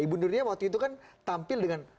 ibu nurnya waktu itu kan tampil dengan